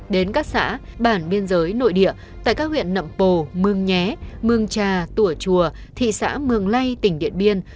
đến các xã bản biên giới nội địa tại các huyện nậm pồ mương nhé mương trà tùa chùa thị xã mường lây tỉnh điện biên